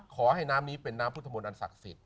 ขอให้น้ำนี้เป็นน้ำพุทธมนต์อันศักดิ์สิทธิ